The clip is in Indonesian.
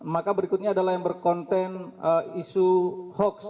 maka berikutnya adalah yang berkonten isu hoax